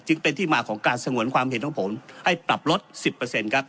จึงเป็นที่มาของการสงวนความเห็นของผลให้ปรับลดสิบเปอร์เซ็นต์ครับ